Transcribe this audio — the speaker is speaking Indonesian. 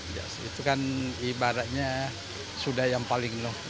jas itu kan ibaratnya sudah yang paling loh